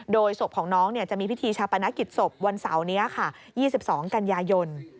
โดยศพของน้องจะมีพิธีชาปนกิจศพวันเสาร์นี้ค่ะ๒๒กันยายน